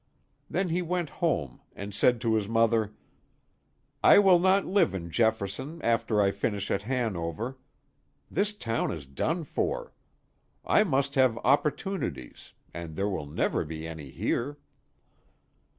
Then he went home and said to his mother: "I will not live in Jefferson after I finish at Hanover. This town is done for. I must have opportunities, and there will never be any here."